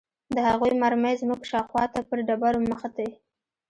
د هغوى مرمۍ زموږ شاوخوا ته پر ډبرو مښتې.